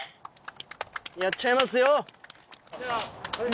やっちゃいますよ！